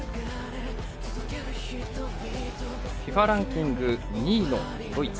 ＦＩＦＡランキング２位のドイツ。